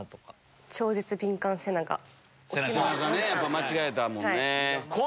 背中ね間違えたもんね。